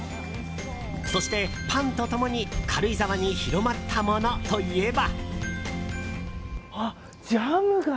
そしてパンと共に軽井沢に広まったものといえば。